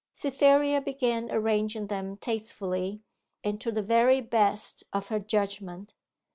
Cytherea began arranging them tastefully, and to the very best of her judgment.